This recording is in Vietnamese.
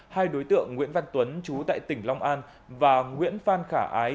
hai đối tượng nguyễn văn tuấn chú tại tỉnh long an và nguyễn phan khả ái